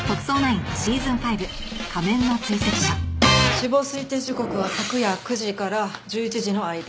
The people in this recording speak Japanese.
死亡推定時刻は昨夜９時から１１時の間。